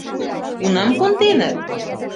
Кунам конденыт?»